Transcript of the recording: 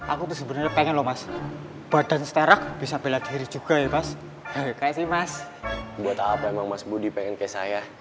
aku sebenarnya pengen loh mas badan seterak bisa bela diri juga ya mas kayak sih mas buat apa emang mas budi pengen ke saya